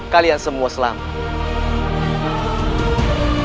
kalian semua selamat